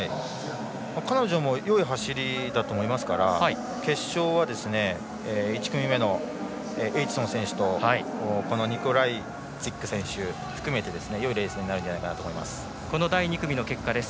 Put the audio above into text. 彼女もいい走りだと思いますから決勝は１組目のエイチソン選手とニコライツィック選手含めてよいレースに第２組の結果です。